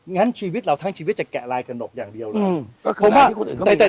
งั้นชีวิตเราทั้งชีวิตจะแกะลายกระหนบอย่างเดียวเลย